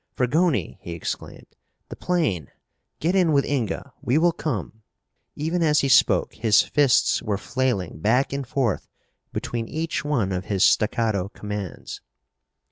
"Fragoni!" he exclaimed. "The plane! Get in with Inga! We will come!" Even as he spoke his fists were flailing back and forth between each one of his staccato commands.